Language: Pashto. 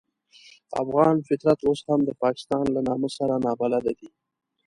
افغان فطرت اوس هم د پاکستان له نامه سره نابلده دی.